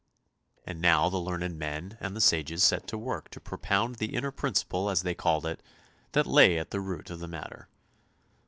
" And now the learned men and the sages set to work to pro pound the inner principle, as they called it, that lay at the root of the matter.